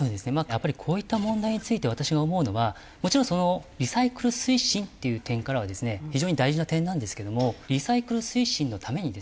やっぱりこういった問題について私が思うのはもちろんリサイクル推進っていう点からはですね非常に大事な点なんですけどもリサイクル推進のためにですね